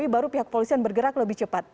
baru pihak polisian bergerak lebih cepat